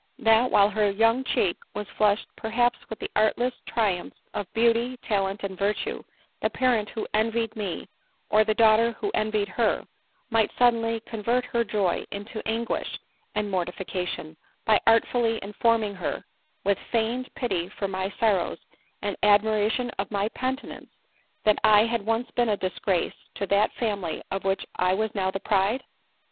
— that, while her young cheek was flushed perhaps with the artless triumphs of beauty, talent, and virtue, the parent who envied me, or the daughter who envied her, might suddenly convert her joy into anguish and mortification, by artfully informing her, with feigned fity for my sorrows and admiration of my penitence, that had once been a disgrace to that family of which I was now the pride